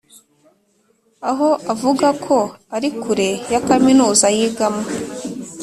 aho avuga ko ari kure ya Kaminuza yigamo